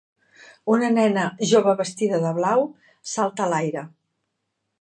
Una nena jove vestida de blau salta a l'aire.